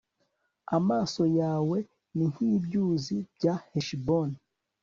amaso yawe ni nk'ibyuzi bya heshiboni